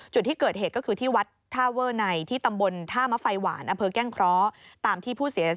จุดที่เกิดเหตุก็คือที่วัดท่าเวอร์ไนท์ที่ตำบลท่ามะไฟหวานอเผลอแก้งเคราะห์